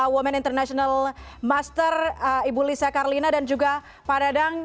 women international master ibu lisa karlina dan juga pak dadang